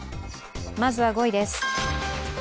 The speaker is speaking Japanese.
まずは５位です